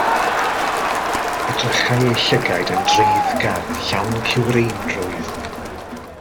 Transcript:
Edrychai ei llygaid yn dreiddgar, llawn cywreinrwydd.